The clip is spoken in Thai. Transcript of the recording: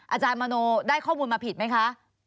อาจารย์มโนได้ข้อมูลมาผิดไหมคะ